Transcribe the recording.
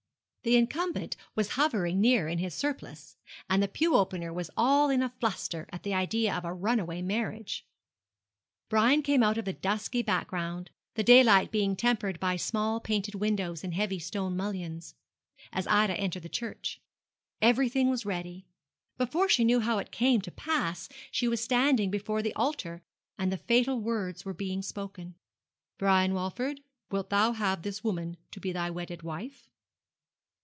The incumbent was hovering near in his surplice, and the pew opener was all in a fluster at the idea of a runaway marriage. Brian came out of the dusky background the daylight being tempered by small painted windows in heavy stone mullions as Ida entered the church. Everything was ready. Before she knew how it came to pass, she was standing before the altar, and the fatal words were being spoken. 'Brian Walford, wilt thou have this woman to be thy wedded wife?'